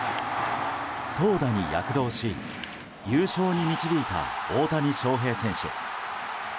投打に躍動し優勝に導いた大谷翔平選手。